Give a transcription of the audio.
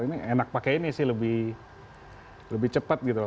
ini enak pakai ini sih lebih cepat gitu